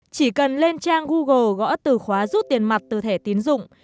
chỉ cần lên trang google gõ từ khóa rút tiền mặt từ thẻ tiến dụng